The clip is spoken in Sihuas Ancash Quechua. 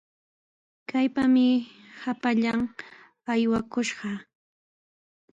¡Kaypami hapallan aywakushqa!